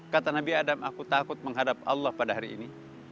kata nabi adam aku takut menghadap allah pada hari ini